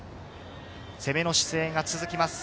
攻めの姿勢が続きます。